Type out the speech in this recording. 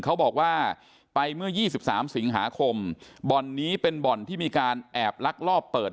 เขาบอกว่าไปเมื่อ๒๓สิงหาคมบ่อนนี้เป็นบ่อนที่มีการแอบลักลอบเปิด